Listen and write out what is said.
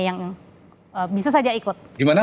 yang bisa saja ikut gimana